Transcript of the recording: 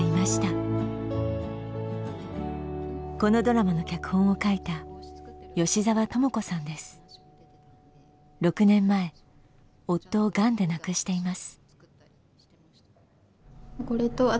このドラマの脚本を書いた６年前夫をがんで亡くしています。